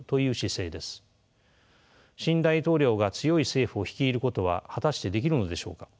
新大統領が強い政府を率いることは果たしてできるのでしょうか。